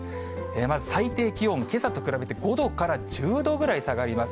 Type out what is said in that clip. まず最低気温、けさと比べて５度から１０度ぐらい下がります。